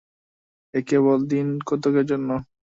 এ কেবল দিনকতকের জন্য।